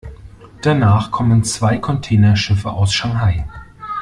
Danach kommen zwei Containerschiffe aus Shanghai.